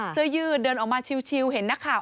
เสื้อยืดเดินออกมาชิวเห็นนักข่าว